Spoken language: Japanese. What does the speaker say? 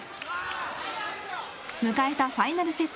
迎えたファイナルセット。